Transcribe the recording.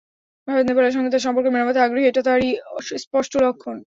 ভারত নেপালের সঙ্গে তার সম্পর্ক মেরামতে আগ্রহী, এটা তারই স্পষ্ট লক্ষণ।